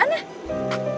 roman kamu mau kemana